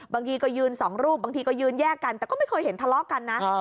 บางทีก็ยืนสองรูปบางทีก็ยืนแยกกันแต่ก็ไม่เคยเห็นทะเลาะกันนะ